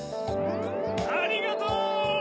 ありがとう！